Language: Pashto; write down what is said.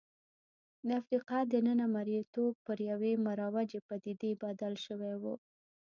د افریقا دننه مریتوب پر یوې مروجې پدیدې بدل شوی و.